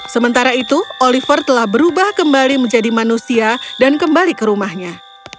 sementara itu oliver telah berubah kembali menjadi manusia dan kembali ke rumahnya